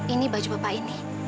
ini baju bapak ini